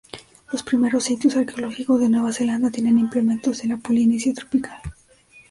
Los primeros sitios arqueológicos de Nueva Zelanda tienen implementos de la Polinesia tropical.